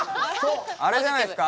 あれじゃないっすか？